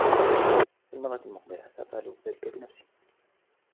في المرة المقبلة سأفعل ذلك بنفسي.